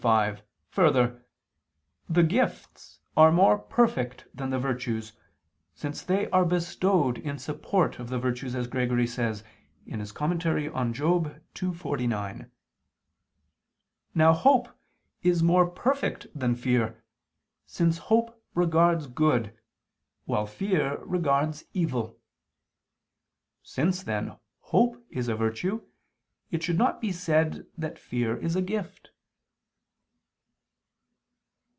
5: Further, the gifts are more perfect than the virtues, since they are bestowed in support of the virtues as Gregory says (Moral. ii, 49). Now hope is more perfect than fear, since hope regards good, while fear regards evil. Since, then, hope is a virtue, it should not be said that fear is a gift.